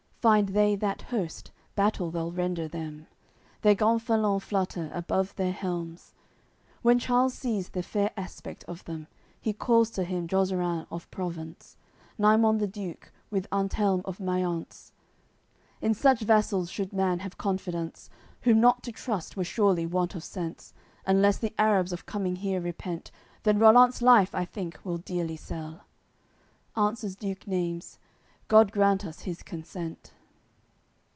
Find they that host, battle they'll render them. Their gonfalons flutter above their helms. When Charles sees the fair aspect of them, He calls to him Jozeran of Provence, Naimon the Duke, with Antelme of Maience: "In such vassals should man have confidence, Whom not to trust were surely want of sense; Unless the Arabs of coming here repent, Then Rollant's life, I think, we'll dearly sell." Answers Duke Neimes: "God grant us his consent!"